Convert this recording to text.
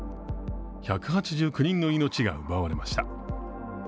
１８９人の命が奪われました。